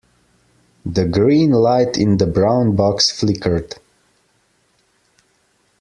The green light in the brown box flickered.